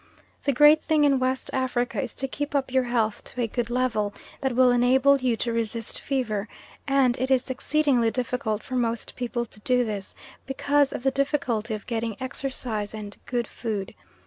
The great thing in West Africa is to keep up your health to a good level, that will enable you to resist fever, and it is exceedingly difficult for most people to do this, because of the difficulty of getting exercise and good food.